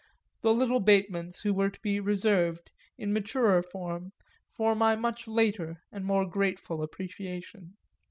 the little Batemans who were to be reserved, in maturer form, for my much later and more grateful appreciation.